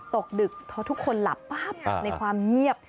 ตกดึกพอทุกคนหลับปั๊บในความเงียบ